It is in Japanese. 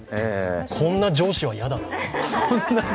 こんな上司は嫌だなあ。